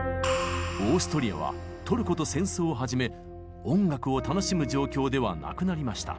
オーストリアはトルコと戦争を始め音楽を楽しむ状況ではなくなりました。